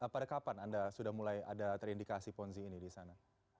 pada kapan anda sudah mulai ada terindikasi ponzi ini di sana